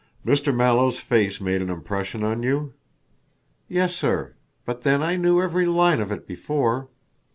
"Mr. Mallow's face made an impression on you?" "Yes, sir. But then I knew every line of it before."